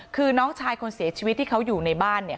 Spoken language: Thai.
คือน้องชายคนเสียชีวิตที่เขาอยู่ในบ้านเนี่ย